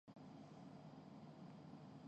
لیکن ریلیز کی تاریخ